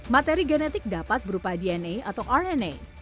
materi genetik dapat berupa dna atau rna